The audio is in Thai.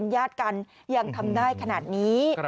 ยังทำได้ขนาดนี้